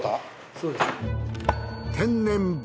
そうです。